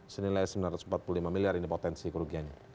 senilai sembilan ratus empat puluh lima miliar ini potensi kerugiannya